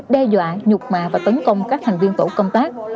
đe dọa nhục mạ và tấn công các thành viên tổ công tác